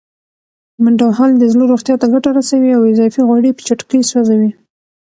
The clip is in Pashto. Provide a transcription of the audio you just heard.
منډه وهل د زړه روغتیا ته ګټه رسوي او اضافي غوړي په چټکۍ سوځوي.